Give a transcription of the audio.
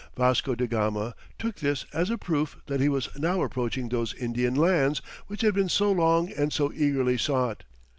Vasco da Gama, took this as a proof that he was now approaching those Indian lands, which had been so long and so eagerly sought.